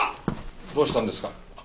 どうしたんですか？